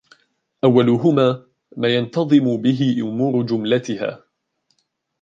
أَوَّلُهُمَا مَا يَنْتَظِمُ بِهِ أُمُورُ جُمْلَتهَا